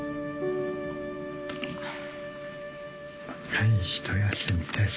はい一休みです。